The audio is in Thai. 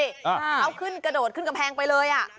เอาขึ้นกระโดดขึ้นกำแพงไปเลยอ่ะ